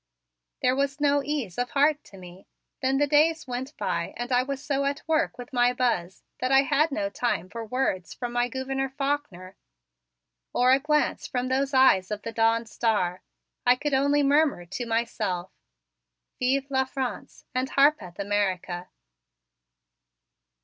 There was no ease of heart to me, when the days went by and I was so at work with my Buzz that I had no time for words from my Gouverneur Faulkner or glance from those eyes of the dawn star. I could only murmur to myself: "Vive la France and Harpeth America!"